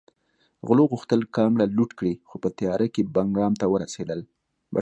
غلو غوښتل کانګړه لوټ کړي خو په تیاره کې بټګرام ته ورسېدل